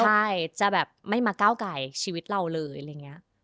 ใช่จะแบบไม่มาก้าวไก่ชีวิตเราเลย